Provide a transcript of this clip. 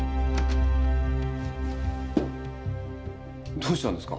・どうしたんですか？